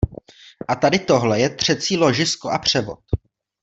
A tady tohle je třecí ložisko a převod.